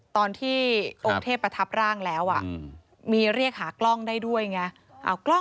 ตอนที่องค์เทพประทับร่างแล้วมีเรียกหากล้องได้ด้วยไง